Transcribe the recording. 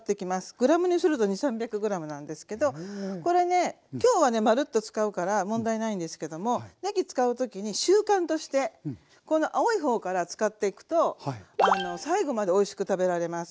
グラムにすると２００３００ｇなんですけどこれね今日はねまるっと使うから問題ないんですけどもねぎ使う時に習慣としてこの青い方から使っていくと最後までおいしく食べられます。